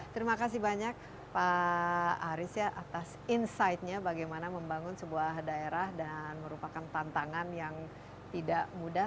terima kasih banyak pak aris ya atas insightnya bagaimana membangun sebuah daerah dan merupakan tantangan yang tidak mudah